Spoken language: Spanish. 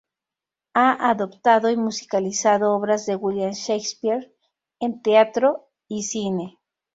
Ha adaptado y musicalizado obras de William Shakespeare en teatro y cine.